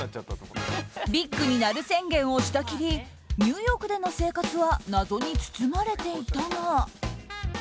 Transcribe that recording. ビッグになる宣言をしたきりニューヨークでの生活は謎に包まれていたが。